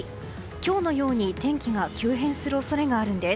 今日のように天気が急変する恐れがあるんです。